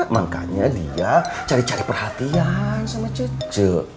makanya dia cari cari perhatian sama cucu